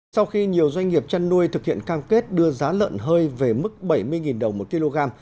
sau khi nhiều doanh nghiệp chăn nuôi thực hiện cam kết đưa giá lợn hơi về mức bảy mươi đồng một kg